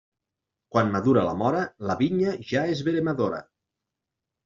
Quan madura la móra, la vinya ja és veremadora.